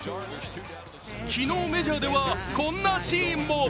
昨日メジャーではこんなシーンも。